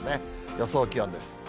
予想気温です。